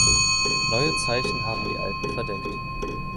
Neue Zeichen haben die alten verdeckt.